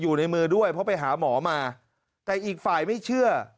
อยู่ในมือด้วยเพราะไปหาหมอมาแต่อีกฝ่ายไม่เชื่อ